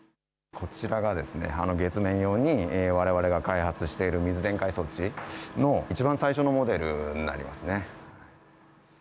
こちらが、月面用にわれわれが開発している水電解装置のいちばん最初のモデルになりますね。